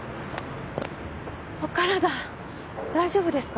お体大丈夫ですか？